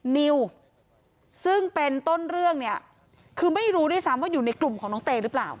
นิวซึ่งเป็นต้นเรื่องเนี่ยคือไม่รู้ด้วยซ้ำว่าอยู่ในกลุ่มของน้องเตหรือเปล่า